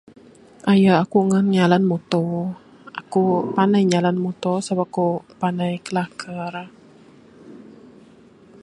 Ayu, akuk ngan nyalan muto. Akuk pandai nyalan muto sebab kuk pandai kilakar.